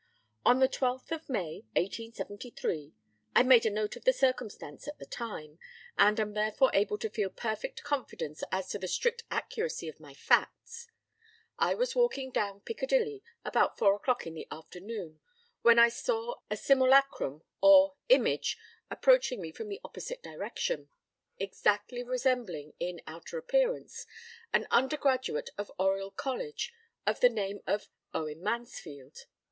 p> "On the 12th of May, 1873—I made a note of the circumstance at thetime, and am therefore able to feel perfect confidence as to the strict accuracy of my facts—I was walking down Piccadilly about four o'clock in the afternoon, when I saw a simulacrum or image approaching me from the opposite direction, exactly resembling in outer appearance an undergraduate of Oriel College, of the name of Owen Mansfield.